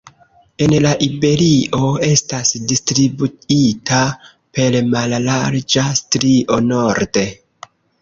En la Iberio estas distribuita per mallarĝa strio norde.